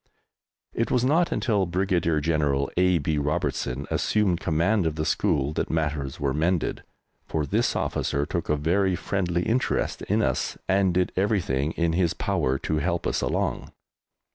It was not until Brigadier General A. B. Robertson assumed command of the school that matters were mended, for this officer took a very friendly interest in us and did everything in his power to help us along.